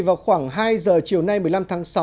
vào khoảng hai giờ chiều nay một mươi năm tháng sáu